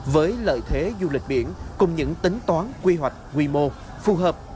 với lợi thế du lịch biển cùng những tính toán quy hoạch quy mô phù hợp